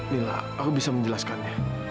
mila aku bisa menjelaskannya